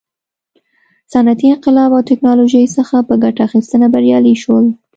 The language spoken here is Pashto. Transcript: صنعتي انقلاب او ټکنالوژۍ څخه په ګټه اخیستنه بریالي شول.